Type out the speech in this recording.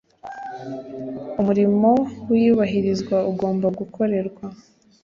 Umurimo w iyubahirzwa ugomba gukorerwa